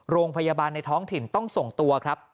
โรงพยาบาลในท้องถิ่นต้องส่งตัวครับ